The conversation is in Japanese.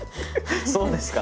そうですか？